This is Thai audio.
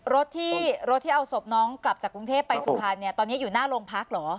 รถที่รถที่เอาศพน้องกลับจากกรุงเทพไปสุพรรณเนี่ยตอนนี้อยู่หน้าโรงพักเหรอ